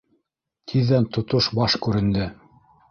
Тиҙҙән тотош баш күренде;